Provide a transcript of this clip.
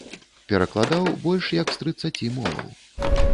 Перакладаў больш як з трыццаці моваў.